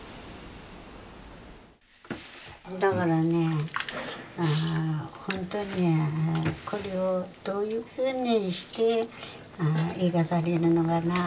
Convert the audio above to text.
だからねほんとにこれをどういうふうにして生かされるのかな